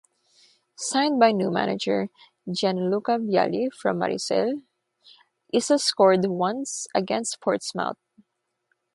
Signed by new manager Gianluca Vialli from Marseille, Issa scored once, against Portsmouth.